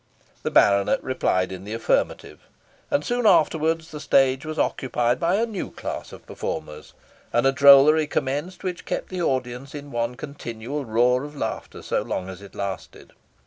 The baronet replied in the affirmative, and soon afterwards the stage was occupied by a new class of performers, and a drollery commenced which kept the audience in one continual roar of laughter so long as it lasted.